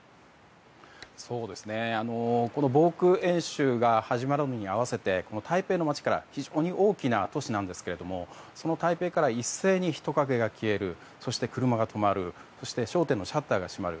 この防空演習が始まるのに合わせて台北の街から、非常に大きな都市なんですけれどもその台北から一斉に人影が消えるそして、車が止まる商店のシャッターが閉まる。